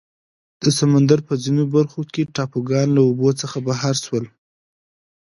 د سمندر په ځینو برخو کې ټاپوګان له اوبو څخه بهر شول.